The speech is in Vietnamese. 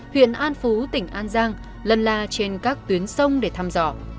huyện an phú tỉnh an giang lần la trên các tuyến sông để thăm dõi